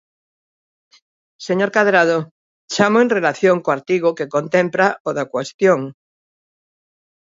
Señor Cadrado, chámoo en relación co artigo que contempla o da cuestión.